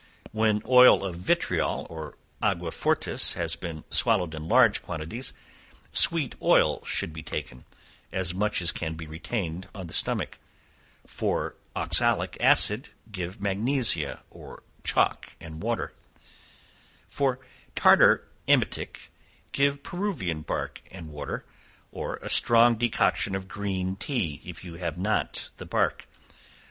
When "oil of vitriol" or "aqua fortis" have been swallowed in large quantities, sweet oil should he taken, (as much as can be retained on the stomach.) For "oxalic acid," give magnesia or chalk and water. For "tartar emetic," give Peruvian bark and water, (or a strong decoction of green tea, if you have not the bark.)